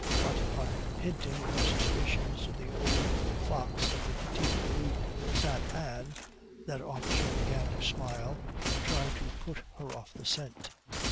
But on hinting her suspicions to the old fox of the Petite Rue Saint Anne, that officer began to smile, and tried to put her off the scent.